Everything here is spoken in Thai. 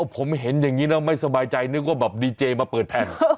ผมเห็นอย่างนี้แล้วไม่สบายใจนึกว่าแบบดีเจมาเปิดแผ่น